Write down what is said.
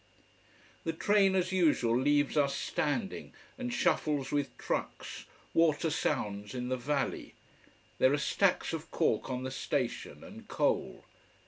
The train as usual leaves us standing, and shuffles with trucks water sounds in the valley: there are stacks of cork on the station, and coal.